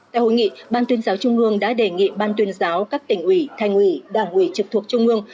tại hội nghị ban tuyên giáo trung ương đã đề nghị ban tuyên giáo các tỉnh ủy thành ủy đảng ủy trực thuộc trung ương